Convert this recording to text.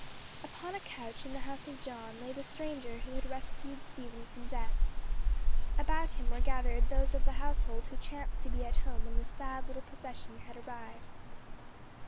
Upon a couch in the house of John lay the stranger who had rescued Stephen from death. About him were gathered those of the household who chanced to be at home when the sad little procession had arrived.